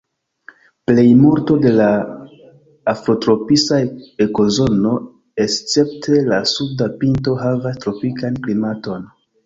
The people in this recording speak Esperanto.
Plejmulto de la afrotropisa ekozono, escepte la suda pinto, havas tropikan klimaton.